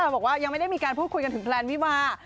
บอกว่ายังไม่ได้มีการพูดคุยกันถึงแพลนวิวา